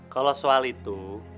kalau soal itu